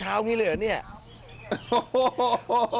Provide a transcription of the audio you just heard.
สวัสดีครับ